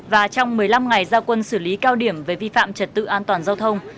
và trong một mươi năm ngày gia quân xử lý cao điểm về vi phạm trật tự an toàn giao thông